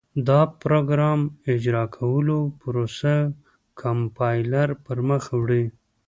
د پراګرام اجرا کولو پروسه کمپایلر پر مخ وړي.